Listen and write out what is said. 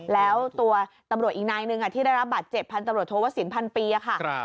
แล้วตัวตำรวจอีกนายหนึ่งที่ได้รับบัตรเจ็บพันตำรวจโทวสินพันปีค่ะ